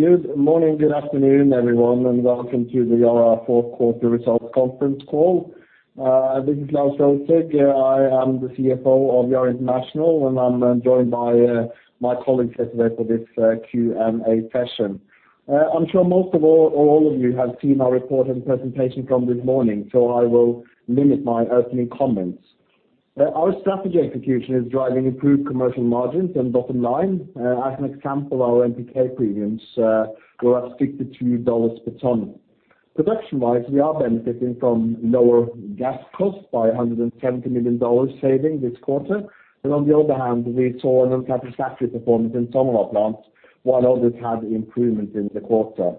Good morning, good afternoon, everyone, and welcome to the Yara fourth quarter results conference call. This is Lars Røsæg. I am the CFO of Yara International, and I'm joined by my colleagues today for this Q&A session. I'm sure most of all, or all of you have seen our report and presentation from this morning, so I will limit my opening comments. Our strategy execution is driving improved commercial margins and bottom line. As an example, our NPK premiums were at $62 per ton. Production-wise, we are benefiting from lower gas costs by NOK 170 million saving this quarter. On the other hand, we saw an unsatisfactory performance in some of our plants, while others had improvements in the quarter.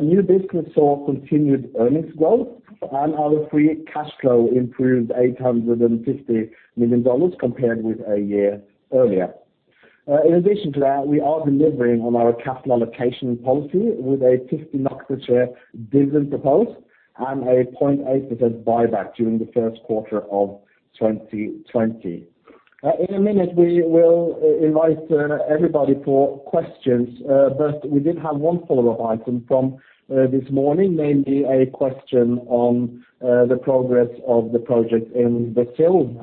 New business saw continued earnings growth, and our free cash flow improved NOK 850 million compared with a year earlier. In addition to that, we are delivering on our capital allocation policy with a 50 NOK per share dividend proposed and a 0.8% buyback during the first quarter of 2020. In a minute, we will invite everybody for questions. We did have one follow-up item from this morning, namely a question on the progress of the project in Brazil.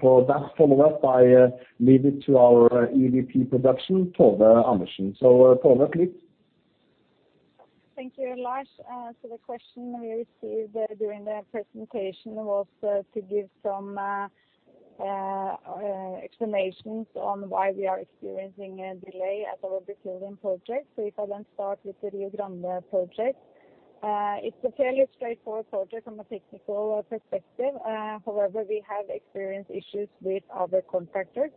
For that follow-up, I leave it to our EVP Production, Tove Andersen. Tove, please. Thank you, Lars. The question we received during the presentation was to give some explanations on why we are experiencing a delay at our Brazilian project. If I start with the Rio Grande project. It's a fairly straightforward project from a technical perspective. However, we have experienced issues with our contractors.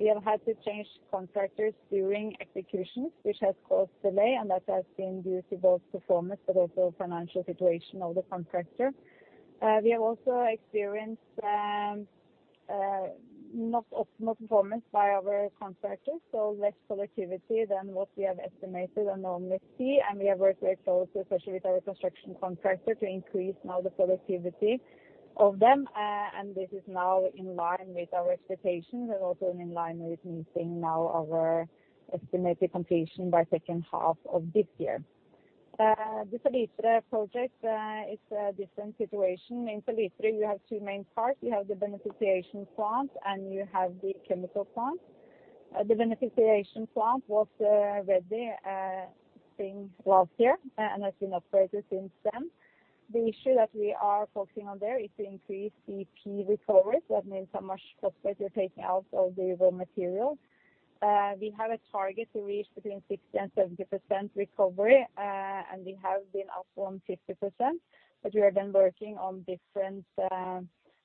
We have had to change contractors during execution, which has caused delay, and that has been due to both performance but also financial situation of the contractor. We have also experienced not optimal performance by our contractors, so less productivity than what we have estimated and normally see, and we have worked very closely, especially with our construction contractor, to increase now the productivity of them, and this is now in line with our expectations and also in line with meeting now our estimated completion by second half of this year. The Salitre project is a different situation. In Salitre, we have two main parts. We have the beneficiation plant, and you have the chemical plant. The beneficiation plant was ready since last year and has been operated since then. The issue that we are focusing on there is to increase the P recovery. That means how much phosphate you're taking out of the raw material. We have a target to reach between 60% and 70% recovery, and we have been up on 50%. We are then working on different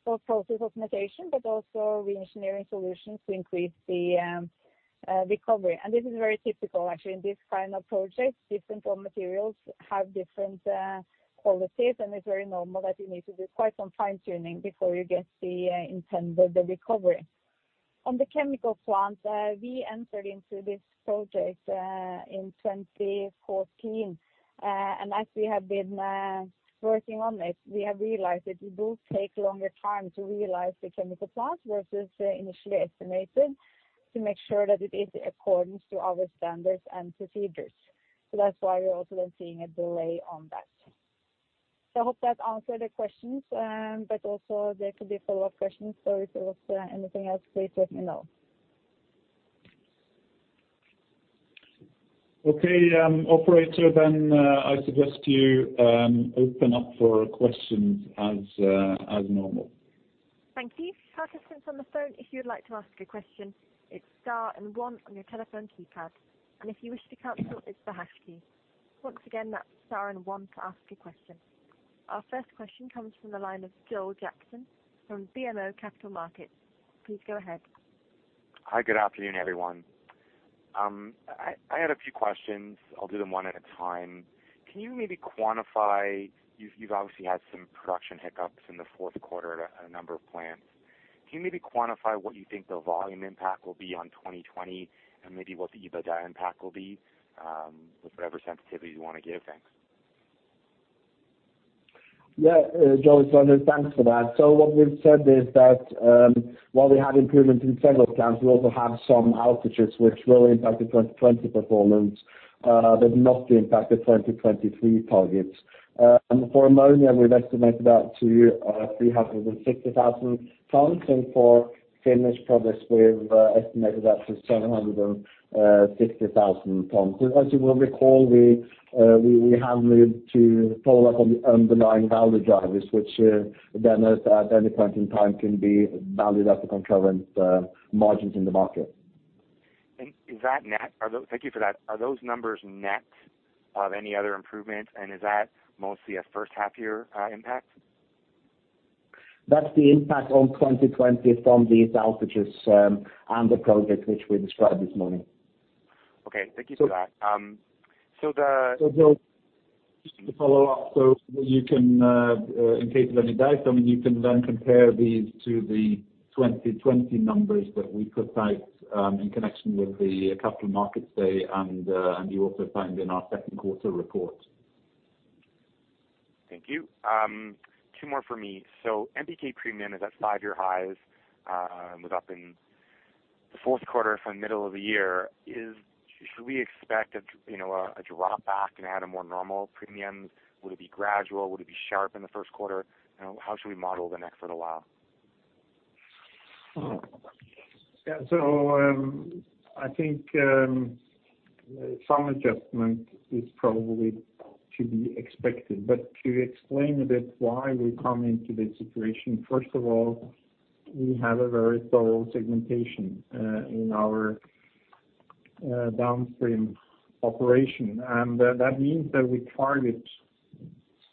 both process optimization, but also re-engineering solutions to increase the recovery. This is very typical, actually, in this kind of project. Different raw materials have different qualities, and it's very normal that you need to do quite some fine-tuning before you get the intended recovery. On the chemical plant, we entered into this project in 2014. As we have been working on it, we have realized that it will take longer time to realize the chemical plant versus initially estimated to make sure that it is accordance to our standards and procedures. That's why we're also then seeing a delay on that. I hope that answered the questions, but also there could be follow-up questions, so if there was anything else, please let me know. Okay, operator, then I suggest you open up for questions as normal. Thank you. Participants on the phone, if you would like to ask a question, it's star and one on your telephone keypad. If you wish to cancel, it's the hash key. Once again, that's star and one to ask a question. Our first question comes from the line of Joel Jackson from BMO Capital Markets. Please go ahead. Hi, good afternoon, everyone. I had a few questions. I'll do them one at a time. You've obviously had some production hiccups in the fourth quarter at a number of plants. Can you maybe quantify what you think the volume impact will be on 2020 and maybe what the EBITDA impact will be with whatever sensitivity you want to give? Thanks. Yeah, Joel, thanks for that. What we've said is that while we have improvements in several plants, we also have some outages which will impact the 2020 performance but not the impact of 2023 targets. For ammonia, we've estimated that to 360,000 tons, and for finished products, we've estimated that to 760,000 tons. As you will recall, we have moved to follow up on the underlying value drivers, which then at any point in time can be valued at the concurrent margins in the market. Thank you for that. Are those numbers net of any other improvements, and is that mostly a first half year impact? That's the impact on 2020 from these outages and the project which we described this morning. Okay. Thank you for that. Joel, just to follow up, so in case of any doubts, you can then compare these to the 2020 numbers that we put out in connection with the capital markets day and you also find in our second quarter report. Thank you. Two more for me. NPK premium is at five-year highs, was up in the fourth quarter from middle of the year. Should we expect a drop back and add a more normal premium? Would it be gradual? Would it be sharp in the first quarter? How should we model the next little while? I think some adjustment is probably to be expected. To explain a bit why we come into this situation, first of all, we have a very thorough segmentation in our downstream operation. That means that we target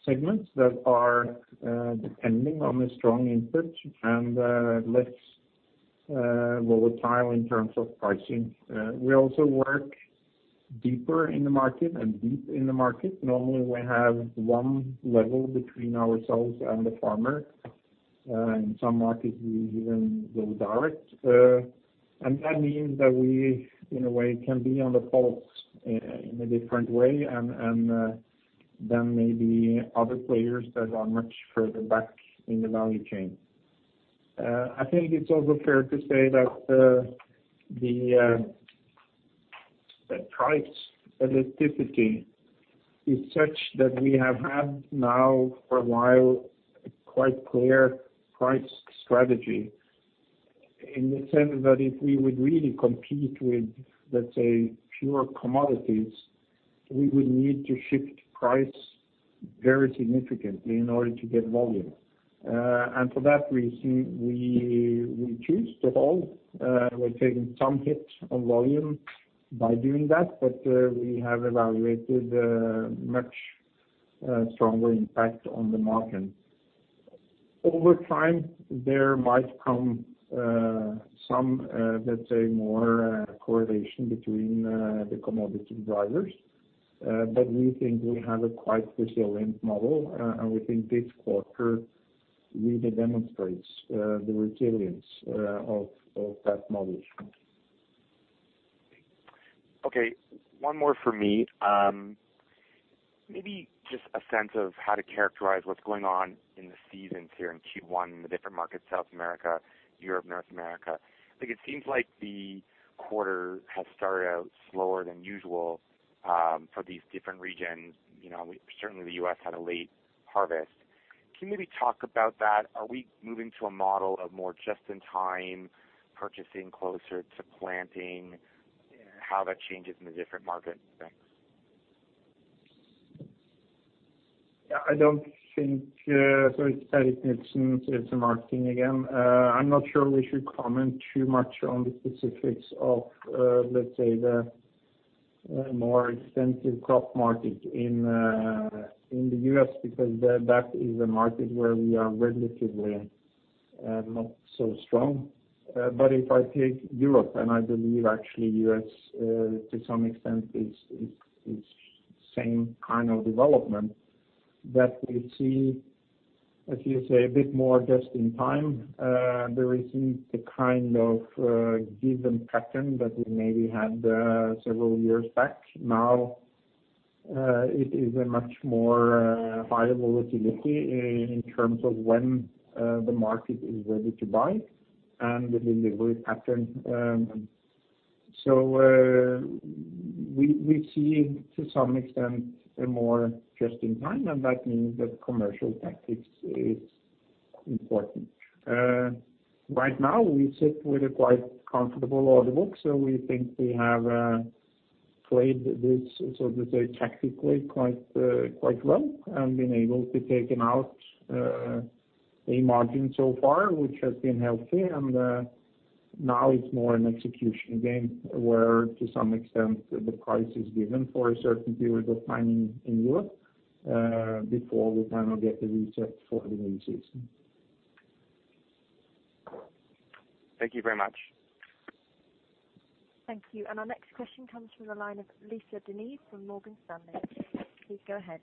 segments that are depending on a strong input and less volatile in terms of pricing. We also work deeper in the market and deep in the market. Normally, we have 1 level between ourselves and the farmer. In some markets, we even go direct. That means that we, in a way, can be on the pulse in a different way than maybe other players that are much further back in the value chain. I think it's also fair to say that the price elasticity is such that we have had now, for a while, a quite clear price strategy. In the sense that if we would really compete with, let's say, pure commodities, we would need to shift price very significantly in order to get volume. For that reason, we choose to hold. We're taking some hit on volume by doing that, but we have evaluated a much stronger impact on the market. Over time, there might come some, let's say, more correlation between the commodity drivers. We think we have a quite resilient model, and we think this quarter really demonstrates the resilience of that model. One more for me. Maybe just a sense of how to characterize what's going on in the seasons here in Q1 in the different markets, South America, Europe, North America. I think it seems like the quarter has started out slower than usual for these different regions. Certainly, the U.S. had a late harvest. Can you maybe talk about that? Are we moving to a model of more just-in-time purchasing closer to planting? How that changes in the different markets and things. It's Terje Knutsen, Chief Marketing again. I'm not sure we should comment too much on the specifics of, let's say, the more extensive crop market in the U.S. because that is a market where we are relatively not so strong. If I take Europe, and I believe actually U.S., to some extent, is same kind of development, that we see, as you say, a bit more just in time. It is a much more higher volatility in terms of when the market is ready to buy and the delivery pattern. We see to some extent, a more just in time, and that means that commercial tactics is important. Right now, we sit with a quite comfortable order book. We think we have played this, so to say, tactically quite well and been able to taken out a margin so far, which has been healthy. Now it's more an execution game where, to some extent, the price is given for a certain period of time in Europe before we kind of get the reset for the new season. Thank you very much. Thank you. Our next question comes from the line of Lisa De Neve from Morgan Stanley. Please go ahead.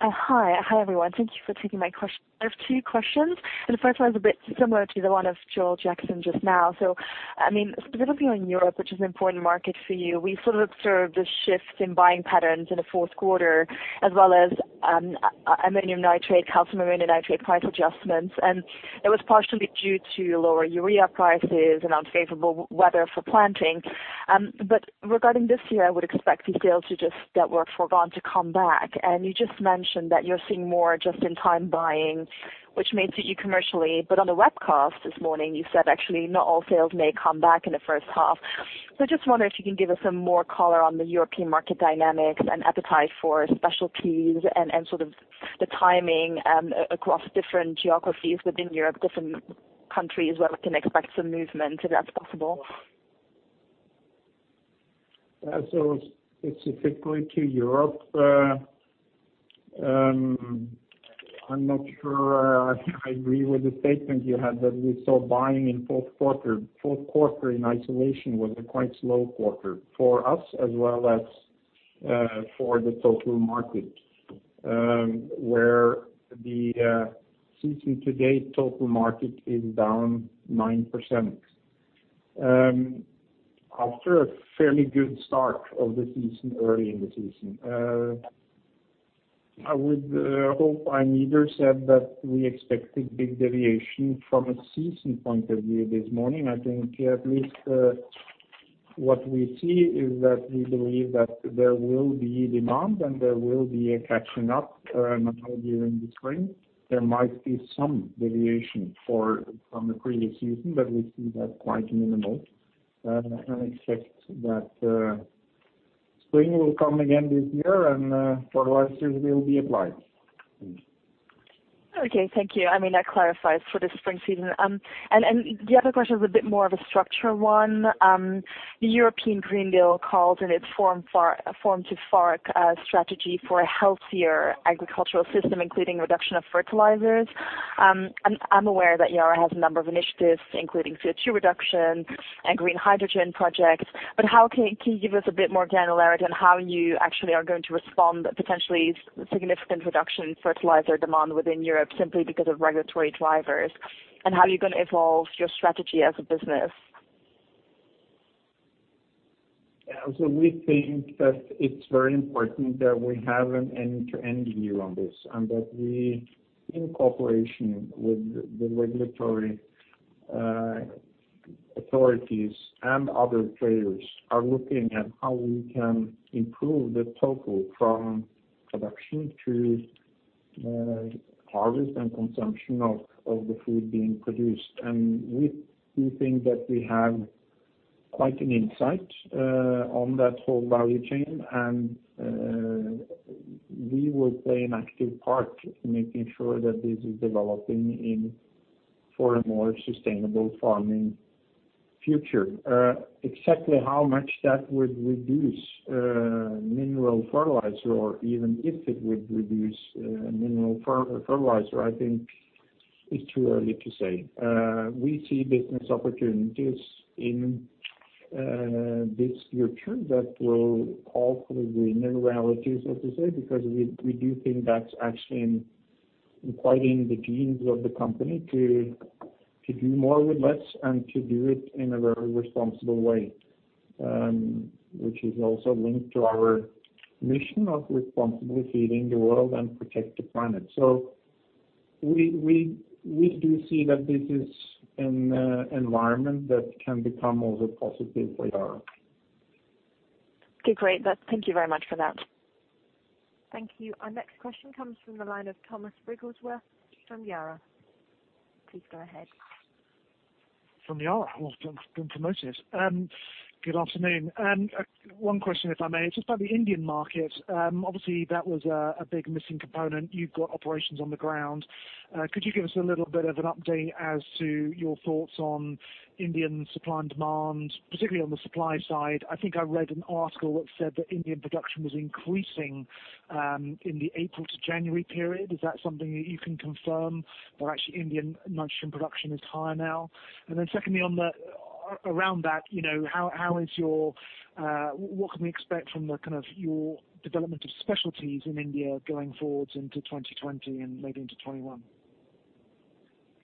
Hi. Hi, everyone. Thank you for taking my question. I have two questions, and the first one is a bit similar to the one of Joel Jackson just now. Specifically on Europe, which is an important market for you. We sort of observed a shift in buying patterns in the fourth quarter, as well as ammonium nitrate, calcium ammonium nitrate price adjustments, and it was partially due to lower urea prices and unfavorable weather for planting. Regarding this year, I would expect the sales that were foregone to come back. You just mentioned that you're seeing more just-in-time buying, which may suit you commercially. On the webcast this morning, you said actually not all sales may come back in the first half. I just wonder if you can give us some more color on the European market dynamics and appetite for specialties and sort of the timing across different geographies within Europe, different countries where we can expect some movement, if that's possible? Specifically to Europe, I'm not sure I agree with the statement you had that we saw buying in fourth quarter. Fourth quarter in isolation was a quite slow quarter for us as well as for the total market, where the season to date total market is down 9%. After a fairly good start of the season, early in the season. I would hope our leader said that we expected big deviation from a season point of view this morning. I think at least what we see is that we believe that there will be demand and there will be a catching up not only during the spring. There might be some deviation from the previous season, but we see that quite minimal and expect that spring will come again this year and fertilizers will be applied. Okay, thank you. That clarifies for the spring season. The other question is a bit more of a structure one. The European Green Deal called in its Farm to Fork strategy for a healthier agricultural system, including reduction of fertilizers. I'm aware that Yara has a number of initiatives, including CO2 reduction and green hydrogen projects, but can you give us a bit more granularity on how you actually are going to respond potentially significant reduction in fertilizer demand within Europe simply because of regulatory drivers? How are you going to evolve your strategy as a business? We think that it's very important that we have an end-to-end view on this, and that we, in cooperation with the regulatory authorities and other players, are looking at how we can improve the total from production to harvest and consumption of the food being produced. We do think that we have quite an insight on that whole value chain, and we will play an active part in making sure that this is developing in for a more sustainable farming future. Exactly how much that would reduce mineral fertilizer or even if it would reduce mineral fertilizer, I think is too early to say. We see business opportunities in this future that will call for the new realities, as you say, because we do think that's actually quite in the genes of the company to do more with less and to do it in a very responsible way, which is also linked to our mission of responsibly feeding the world and protect the planet. We do see that this is an environment that can become also positive for Yara. Okay, great. Thank you very much for that. Thank you. Our next question comes from the line of [Thomas Wrigglesworth] from [Yara]. Please go ahead. From [Yara]? Well, don't promote us. Good afternoon. One question, if I may. It's just about the Indian market. Obviously, that was a big missing component. You've got operations on the ground. Could you give us a little bit of an update as to your thoughts on Indian supply and demand, particularly on the supply side? I think I read an article that said that Indian production was increasing in the April to January period. Is that something that you can confirm that actually Indian nitrogen production is higher now? Secondly, around that, what can we expect from your development of specialties in India going forward into 2020 and maybe into 2021?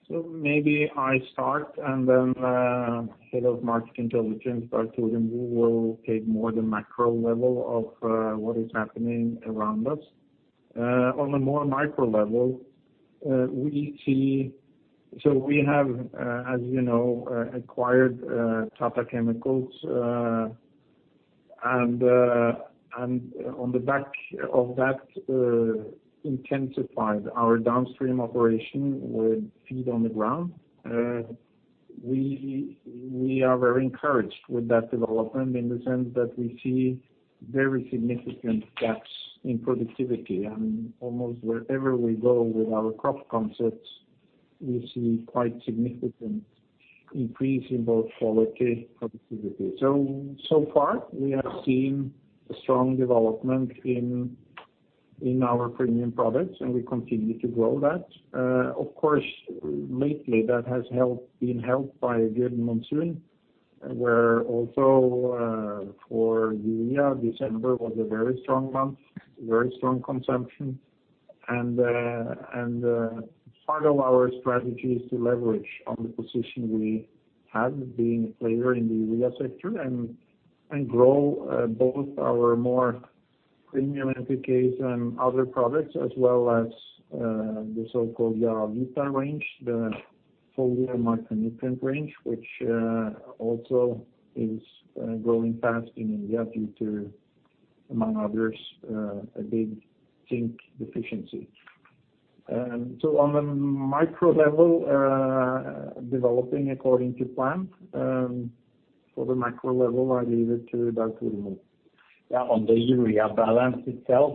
Maybe I start and then Head of Market Intelligence, Dag Tore Mo, will take more the macro level of what is happening around us. On a more micro level, we have, as you know, acquired Tata Chemicals, and on the back of that intensified our downstream operation with feet on the ground. We are very encouraged with that development in the sense that we see very significant gaps in productivity and almost wherever we go with our crop concepts, we see quite significant increase in both quality productivity. Far we have seen a strong development in our premium products, and we continue to grow that. Of course, lately that has been helped by a good monsoon, where also for urea, December was a very strong month, very strong consumption. Part of our strategy is to leverage on the position we have being a player in the urea sector and grow both our more premium NPKs and other products as well as the so-called YaraVita range, the foliar micro-nutrient range, which also is growing fast in India due to, among others, a big zinc deficiency. On the micro level, developing according to plan. For the macro level, I leave it to Dag Tore Mo. Yeah, on the urea balance itself,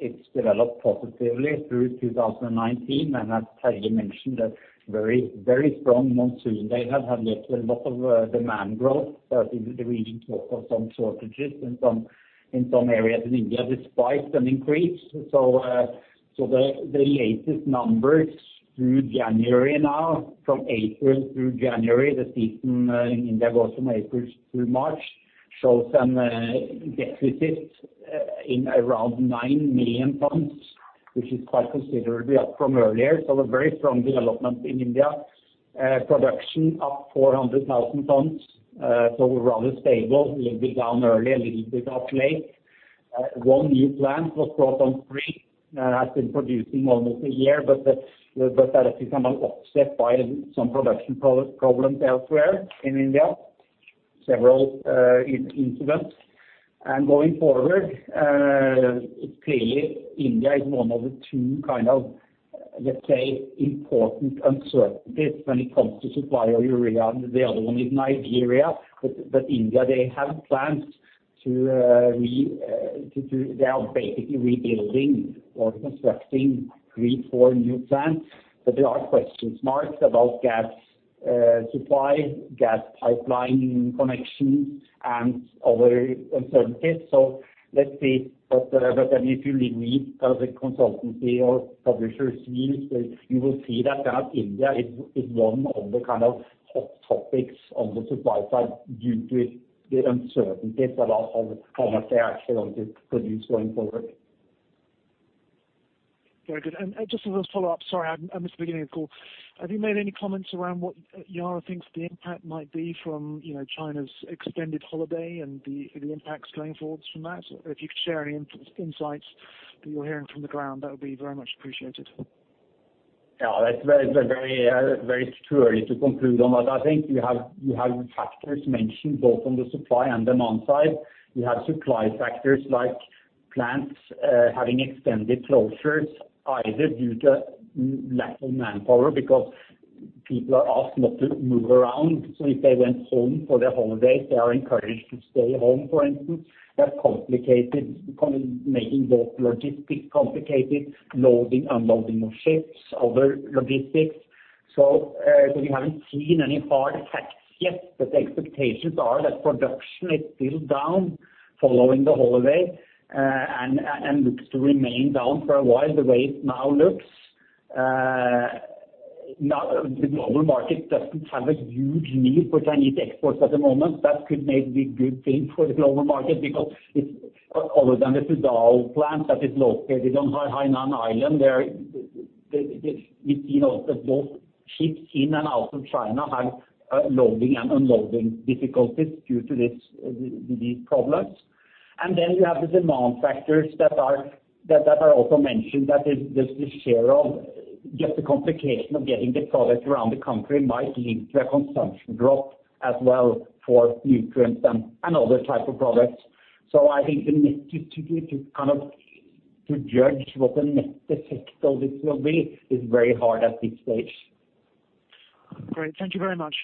it's developed positively through 2019. As Terje mentioned, a very strong monsoon they have had led to a lot of demand growth, but in the region, also some shortages in some areas in India, despite an increase. The latest numbers through January now from April through January, the season in India goes from April through March, show some deficit in around 9 million tons. Which is quite considerably up from earlier. A very strong development in India. Production up 400,000 tons. We're rather stable, a little bit down early, a little bit up late. One new plant was brought on three, has been producing almost a year, but that is somehow offset by some production problems elsewhere in India, several incidents. Going forward, clearly India is one of the two kind of, let's say, important uncertainties when it comes to supply of urea. The other one is Nigeria. India, they have plans to They are basically rebuilding or constructing three, four new plants. There are question marks about gas supply, gas pipeline connection, and other uncertainties. Let's see. If you read other consultancy or publishers' views, you will see that India is one of the hot topics on the supply side due to the uncertainties about how much they actually want to produce going forward. Very good. Just as a follow-up, sorry, I missed the beginning of the call. Have you made any comments around what Yara thinks the impact might be from China's extended holiday and the impacts going forwards from that? If you could share any insights that you're hearing from the ground, that would be very much appreciated. Yeah. It's very too early to conclude on that. I think you have factors mentioned both on the supply and demand side. You have supply factors like plants having extended closures, either due to lack of manpower because people are asked not to move around. If they went home for their holidays, they are encouraged to stay home, for instance. That complicated making both logistics complicated, loading, unloading of ships, other logistics. We haven't seen any hard facts yet, but the expectations are that production is still down following the holiday, and looks to remain down for a while the way it now looks. The global market doesn't have a huge need for Chinese exports at the moment. That could maybe be a good thing for the global market because other than the [Sisal] plant that is located on Hainan Island, both ships in and out of China have loading and unloading difficulties due to these problems. You have the demand factors that are also mentioned, that the sheer of just the complication of getting the product around the country might lead to a consumption drop as well for nutrients and other type of products. I think to judge what the net effect of this will be is very hard at this stage. Great. Thank you very much.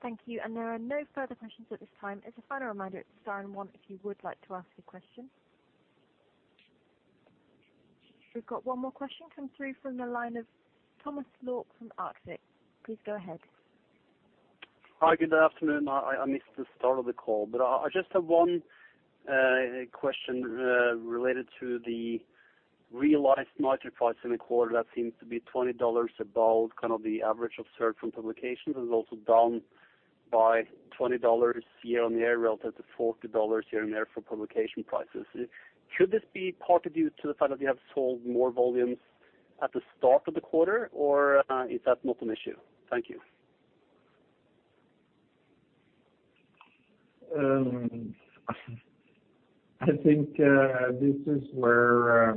Thank you. There are no further questions at this time. As a final reminder, star and one if you would like to ask a question. We've got one more question come through from the line of Thomas Lorck﻿﻿ from Arctic. Please go ahead. Hi. Good afternoon. I missed the start of the call. I just have one question related to the realized nitrate price in the quarter. That seems to be NOK 20 above kind of the average observed from publications and is also down by NOK 20 year-on-year relative to NOK 40 year-on-year for publication prices. Should this be partly due to the fact that you have sold more volumes at the start of the quarter, or is that not an issue? Thank you. I think this is where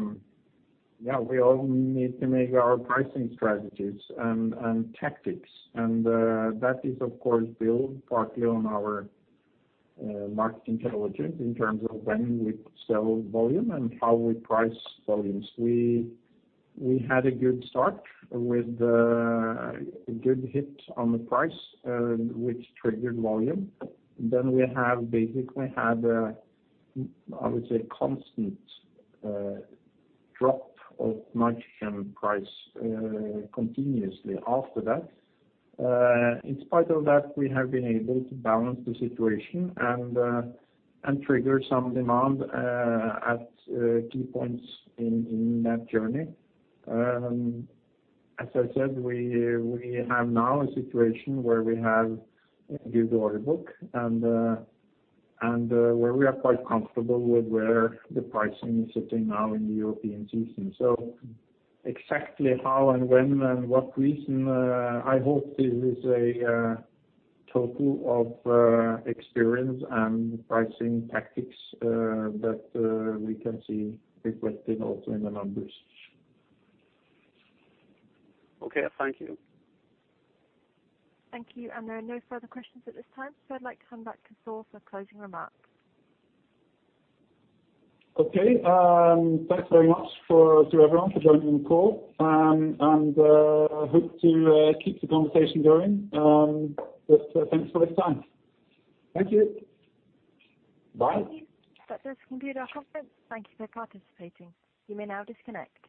we all need to make our pricing strategies and tactics. That is, of course, built partly on our marketing intelligence in terms of when we sell volume and how we price volumes. We had a good start with a good hit on the price, which triggered volume. We have basically had a, I would say, constant drop of nitrogen price continuously after that. In spite of that, we have been able to balance the situation and trigger some demand at key points in that journey. As I said, we have now a situation where we have a good order book and where we are quite comfortable with where the pricing is sitting now in the European season. Exactly how and when and what reason, I hope this is a total of experience and pricing tactics that we can see reflected also in the numbers. Okay. Thank you. Thank you. There are no further questions at this time. I'd like to hand back to Thor for closing remarks. Okay. Thanks very much to everyone for joining the call, hope to keep the conversation going. Thanks for this time. Thank you. Bye. Thank you. That does conclude our conference. Thank you for participating. You may now disconnect.